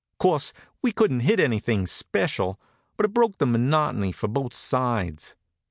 'Course, we couldn't hit anything special, but it broke the monotony for both sides.